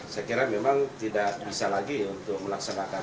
saya kira memang tidak bisa lagi untuk melaksanakan